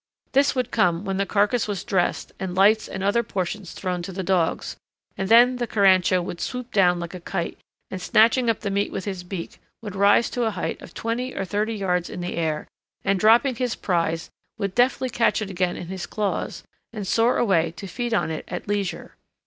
This would come when the carcass was dressed and lights and other portions thrown to the dogs; then the carancho would swoop down like a kite, and snatching up the meat with his beak would rise to a height of twenty or thirty yards in the air, and dropping his prize would deftly catch it again in his claws and soar away to feed on it at leisure.